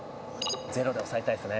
０で抑えたいですね